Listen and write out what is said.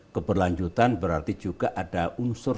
keberlanjutan berarti juga ada unsur